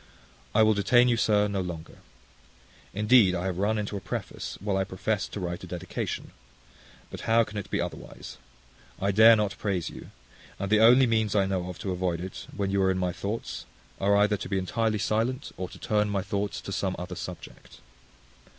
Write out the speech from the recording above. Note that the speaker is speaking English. I will detain you, sir, no longer. Indeed I have run into a preface, while I professed to write a dedication. But how can it be otherwise? I dare not praise you; and the only means I know of to avoid it, when you are in my thoughts, are either to be entirely silent, or to turn my thoughts to some other subject.